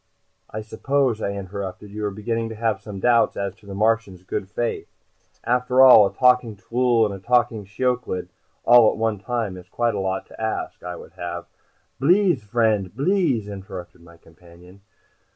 "I suppose," I interrupted, "you were beginning to have some doubts as to the Martian's good faith? After all, a talking tllooll and a talking shiyooch'iid all at one time is quite a lot to ask. I would have " "Blease, vriend, blease!" interrupted my companion.